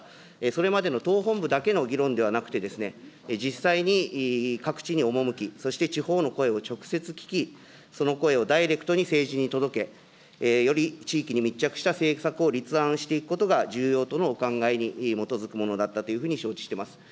それまでの党本部だけの議論ではなくて、実際に各地に赴き、そして地方の声を直接聞き、その声をダイレクトに政治に届け、より地域に密着した政策を立案していくことが重要とのお考えに基づくものだったと承知してます。